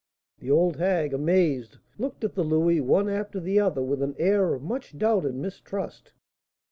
The old hag, amazed, looked at the louis one after the other, with an air of much doubt and mistrust.